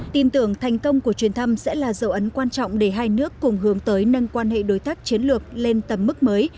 tin tưởng thành công của chuyến thăm sẽ là dấu ấn quan trọng để hai nước cùng hướng tới nâng quan hệ đối tác chiến lược lên tầm mức mới